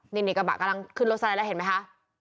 นี่กระบะกำลังขึ้นรถสไลด์แล้วเห็นไหมคะ